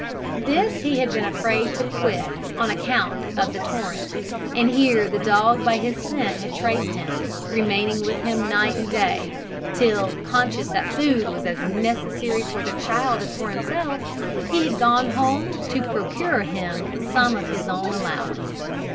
This he had been afraid to quit on account of the torrent; and here the dog by his scent had traced him, remaining with him night and day, till, conscious that food was as necessary for the child as for himself, he had gone home to procure him some of his own allowance.